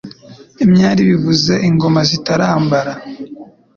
Imyari bivuze Ingoma zitarambara